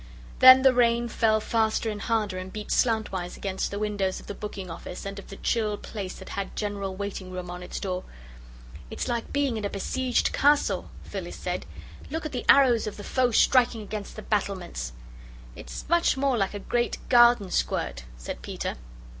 Then the rain fell faster and harder, and beat slantwise against the windows of the booking office and of the chill place that had General Waiting Room on its door. "It's like being in a besieged castle," Phyllis said; "look at the arrows of the foe striking against the battlements!" "It's much more like a great garden squirt," said Peter.